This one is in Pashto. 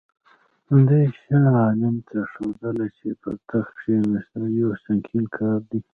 دوی شاه عالم ته ښودله چې پر تخت کښېنستل یو سنګین کار دی.